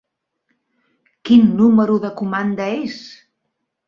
Quin número de comanda és?